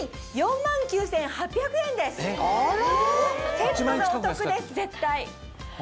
セットがお得です絶対。